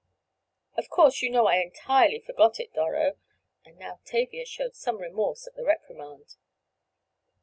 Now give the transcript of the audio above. "Of course you know I entirely forgot it, Doro," and now Tavia showed some remorse at the reprimand.